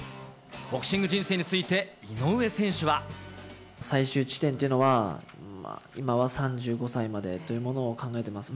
ボクシング人生について、井上選最終地点というのは、今は３５歳までというものを考えてます。